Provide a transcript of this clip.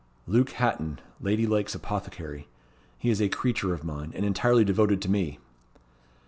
"Luke Hatton, Lady Lake's apothecary. He is a creature of mine, and entirely devoted to me."